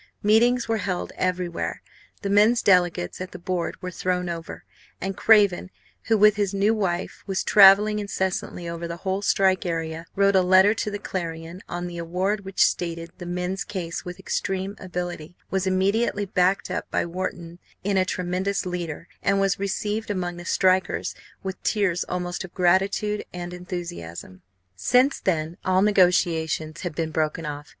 Meetings were held everywhere; the men's delegates at the board were thrown over, and Craven, who with his new wife was travelling incessantly over the whole strike area, wrote a letter to the Clarion on the award which stated the men's case with extreme ability, was immediately backed up by Wharton in a tremendous "leader," and was received among the strikers with tears almost of gratitude and enthusiasm. Since then all negotiations had been broken off.